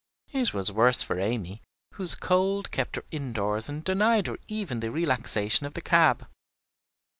It was worse for Amy, whose cold kept her indoors and denied her even the relaxation of the cab.